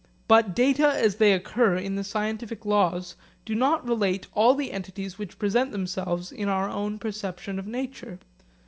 But data as they occur in the scientific laws do not relate all the entities which present themselves in our perception of nature.